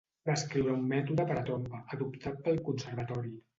Va escriure un mètode per a trompa, adoptat pel Conservatori.